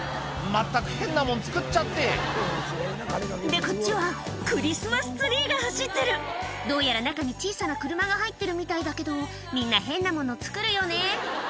まったく変なもん作っちゃってでこっちはクリスマスツリーが走ってるどうやら中に小さな車が入ってるみたいだけどみんな変なもの作るよね